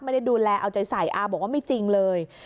ไม่ได้ดูแลเอาใจใส่อาบอกว่าไม่จริงเลย